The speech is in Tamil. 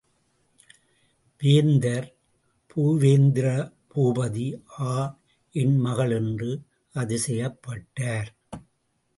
வேந்தர் பூவேந்திர பூபதி ஆ! என் மகள்! என்று அதிசயப்பட்டார்.